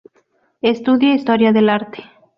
Estudia Historia del Arte.